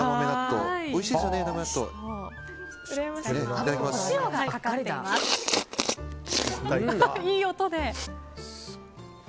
いい音で。